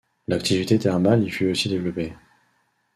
L'activité thermale y fut aussi développée.